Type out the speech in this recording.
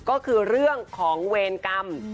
ก็คือเรื่องของเวรกรรม